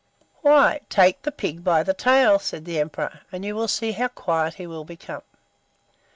"Why, take the pig by the tail," said the emperor, "and you will see how quiet he will become."